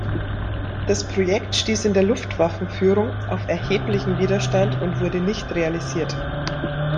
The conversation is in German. Das Projekt stieß in der Luftwaffenführung auf erheblichen Widerstand und wurde nicht realisiert.